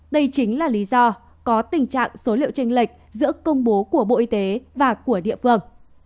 đây chính là lý do có tình trạng số liệu tranh lệch giữa công bố của bộ y tế và của địa phương